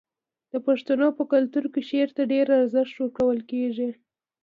د پښتنو په کلتور کې شعر ته ډیر ارزښت ورکول کیږي.